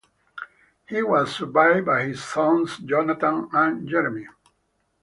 He was survived by his sons Jonathan and Jeremy.